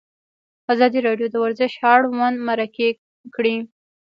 ازادي راډیو د ورزش اړوند مرکې کړي.